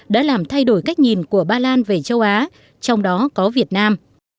đã làm thay đổi cách nhìn của ba lan về châu á trong đó có việt nam